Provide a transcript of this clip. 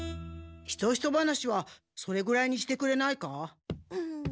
ひそひそ話はそれぐらいにしてくれないか？